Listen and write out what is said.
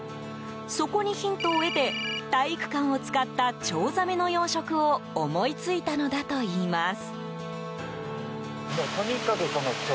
そこにヒントを得て体育館を使ったチョウザメの養殖を思いついたのだといいます。